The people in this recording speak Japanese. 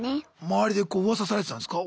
周りでこうウワサされてたんですか